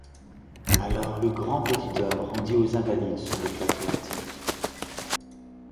Alors le grand petit homme rendit aux Invalides son éclat créatif.